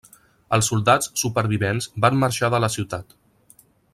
Els soldats supervivents van marxar de la ciutat.